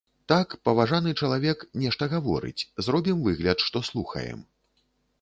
Так, паважаны чалавек, нешта гаворыць, зробім выгляд, што слухаем.